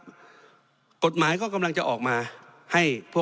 เพราะฉะนั้นโทษเหล่านี้มีทั้งสิ่งที่ผิดกฎหมายใหญ่นะครับ